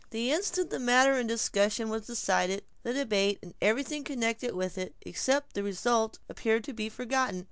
The instant the matter in discussion was decided, the debate, and everything connected with it, except the result appeared to be forgotten.